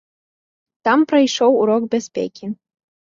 Там прайшоў урок бяспекі.